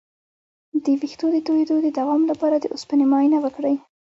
د ویښتو د تویدو د دوام لپاره د اوسپنې معاینه وکړئ